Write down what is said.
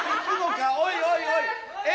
おいおいおいえ？え？